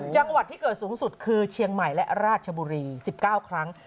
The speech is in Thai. จังหวัดที่เกิดสูงสุดคือเชียงใหม่และราชบุรี๑๙ครั้ง